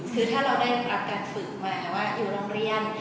คือถ้าเราได้รับการฝึกมาว่าอยู่โรงเรียน